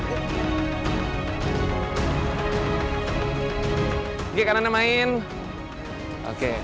oke kanan main oke